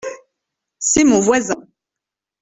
C’est mon voisin.